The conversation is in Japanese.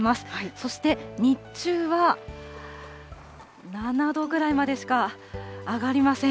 そして日中は７度ぐらいまでしか上がりません。